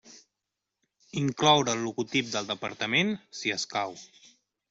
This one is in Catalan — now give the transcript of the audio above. Incloure el logotip del departament, si escau.